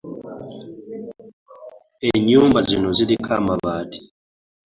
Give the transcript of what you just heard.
Ennyumba zino ziriko amabaati.